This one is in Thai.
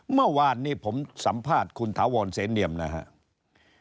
เมื่อวานนี้ผมสัมภาษณ์คุณถาวรเสนเนียมนะครับ